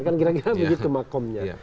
kan kira kira begitu makamnya